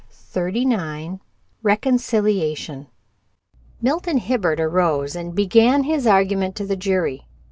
CHAPTER XXXIX RECONCILIATION Milton Hibbard arose and began his argument to the jury.